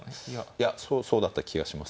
いやそうだった気がします。